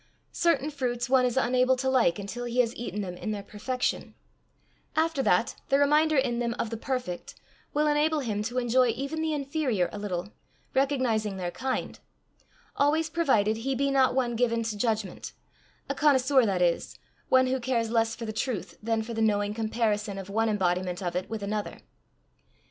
Certain fruits one is unable to like until he has eaten them in their perfection; after that, the reminder in them of the perfect will enable him to enjoy even the inferior a little, recognizing their kind always provided he be not one given to judgment a connoisseur, that is, one who cares less for the truth than for the knowing comparison of one embodiment of it with another.